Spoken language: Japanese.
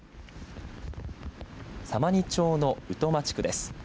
様似町の鵜苫地区です。